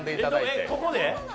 ここで？